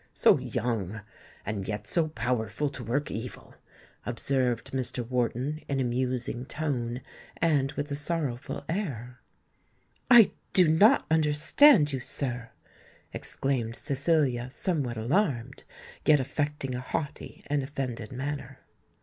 "So young—and yet so powerful to work evil!" observed Mr. Wharton, in a musing tone, and with a sorrowful air. "I do not understand you, sir," exclaimed Cecilia somewhat alarmed, yet affecting a haughty and offended manner.